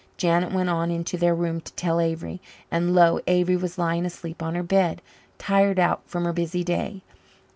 Janet went on into their room to tell Avery. And lo, Avery was lying asleep on her bed, tired out from her busy day.